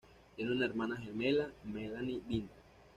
Tiene una hermana gemela, Melanie Binder.